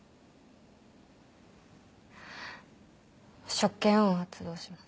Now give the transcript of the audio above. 職権を発動します。